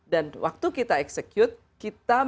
dan waktu kita execute kita